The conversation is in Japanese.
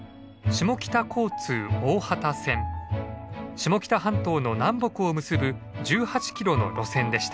下北半島の南北を結ぶ１８キロの路線でした。